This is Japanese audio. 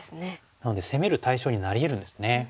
なので攻める対象になりえるんですね。